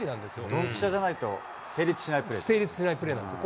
ドンピシャじゃないと成立し成立しないプレーなんですよ。